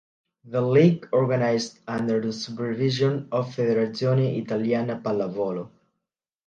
The league organized under the supervision of Federazione Italiana Pallavolo.